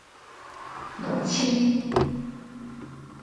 六千